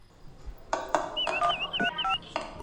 The therapy sessions were followed by police interviews.